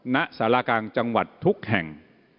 ณสารกลางจังหวัดทุกแห่ง